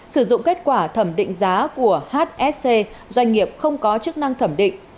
sử dụng kết quả thẩm định giá của hsc doanh nghiệp không có chức năng thẩm định